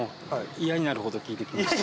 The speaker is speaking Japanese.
嫌になるほど聞いてきた？